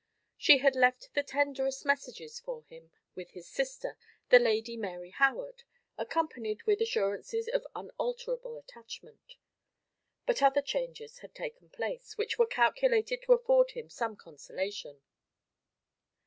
She had left the tenderest messages for him with his sister, the Lady Mary Howard, accompanied with assurances of unalterable attachment. But other changes had taken place, which were calculated to afford him some consolation.